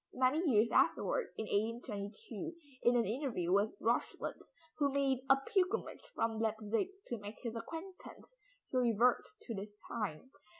Many years afterward, in 1822, in an interview with Rochlitz who made a pilgrimage from Leipzig to make his acquaintance, he reverts to this time.